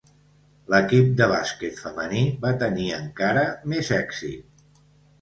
L'equip de bàsquet femení va tenir encara més èxit.